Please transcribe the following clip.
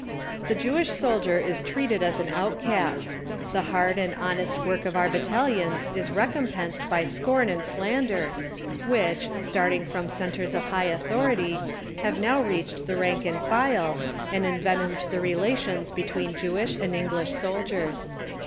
The Jewish soldier is treated as an outcast. The hard and honest work of our battalions is recompensed by scorn and slander, which, starting from centres of high authority, have now reached the rank and file, and envenomed the relations between Jewish and English soldiers.